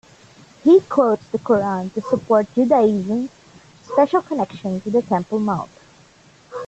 He quotes the Qur'an to support Judaism's special connection to the Temple Mount.